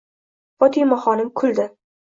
Fotimaxonim kuldi: